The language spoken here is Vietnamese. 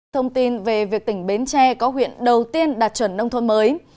thông tin về việc tỉnh bến tre có huyện đầu tiên đạt chuẩn nông thôn mới